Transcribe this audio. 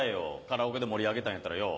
カラオケで盛り上げたいんやったらよ。